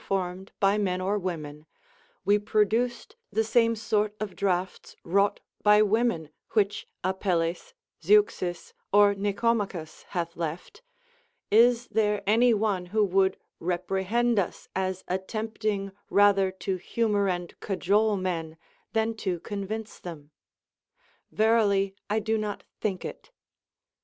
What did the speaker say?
341 formed by men or women, Ave produced the same sort of draughts Avrought by women which Apelles, Zeuxis, or Nicomachus hath left, is there any one who woukl repre hend us as attempting rather to humor and cajole men than to convince them ] A'erily I do not think it.